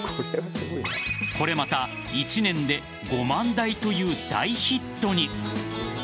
これまた１年で５万台という大ヒットに。